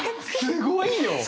すごいよ。